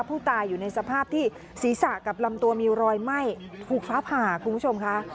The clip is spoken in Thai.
ผู้ตายอยู่ในสภาพที่ศีรษะกับลำตัวมีรอยไหม้ถูกฟ้าผ่าคุณผู้ชมค่ะ